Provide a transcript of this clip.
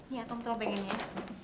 iya tolong pengen ya